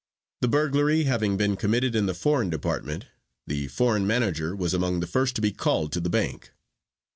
The "burglary" having been committed in the foreign department, the foreign manager was among the first to be called to the bank.